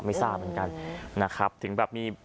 เหมือนกันนะครับถึงแบบมี